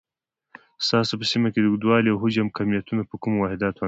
ستاسو په سیمه کې د اوږدوالي، او حجم کمیتونه په کومو واحداتو اندازه کېږي؟